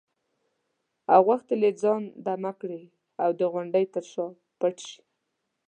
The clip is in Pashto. او غوښتل یې ځان دمه کړي او د غونډې تر شا پټ شي.